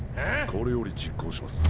これより実行します。